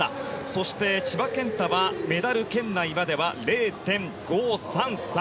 そして千葉健太はメダル圏内までは０．５３３。